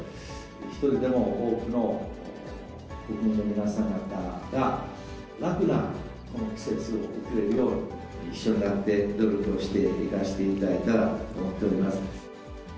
一人でも多くの国民の皆さん方が楽なこの季節を送れるよう、一緒になって努力をしていかせていただいたらと思っております。